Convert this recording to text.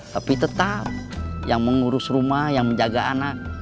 tapi tetap yang mengurus rumah yang menjaga anak